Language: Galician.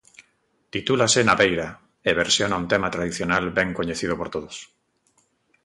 Titúlase 'Na Beira' e versiona un tema tradicional ben coñecido por todos.